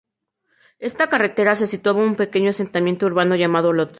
En esta carretera se situaba un pequeño asentamiento urbano llamado Lodz.